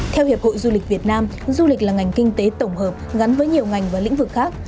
theo hiệp hội du lịch việt nam du lịch là ngành kinh tế tổng hợp gắn với nhiều ngành và lĩnh vực khác